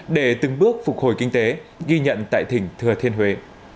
để từng bước phục hồi kinh tế ghi nhận tại thỉnh thừa thiên huế